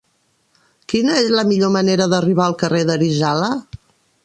Quina és la millor manera d'arribar al carrer d'Arizala?